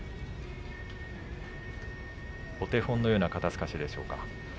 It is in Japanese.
お手本のような肩すかしでしょうか？